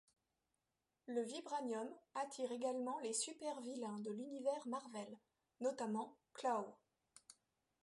Le vibranium attire également les super-vilains de l'univers Marvel, notamment Klaw.